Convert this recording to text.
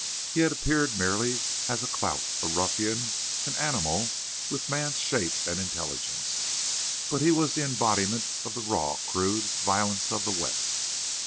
He had appeared merely a clout, a ruffian, an animal with man's shape and intelligence. But he was the embodiment of the raw, crude violence of the West.